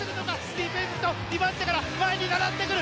ディープインパクト２番手から前に並んでくる！